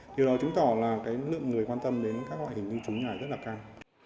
điều đó chứng tỏ là lượng người quan tâm đến các loại hình như chúng này rất là cao